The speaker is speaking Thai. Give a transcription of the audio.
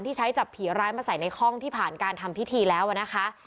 ที่ใช้จับผีร้ายมาใส่ในห้องที่ผ่านการทำพิธีแล้วนะคะ